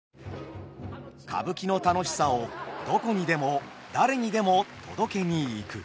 歌舞伎の楽しさをどこにでも誰にでも届けに行く。